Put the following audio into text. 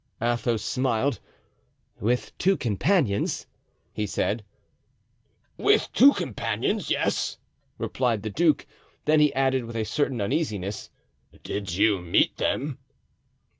Athos smiled. "With two companions?" he said. "With two companions, yes," replied the duke. Then he added with a certain uneasiness, "Did you meet them?"